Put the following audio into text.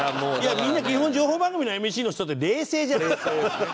みんな基本情報番組のＭＣの人って冷静じゃないですか。